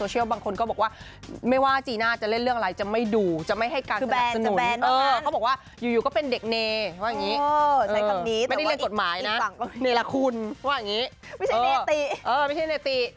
เนรคุณว่าอย่างงี้ไม่ใช่เนติ